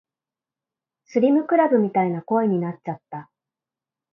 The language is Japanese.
スリムクラブみたいな声になっちゃった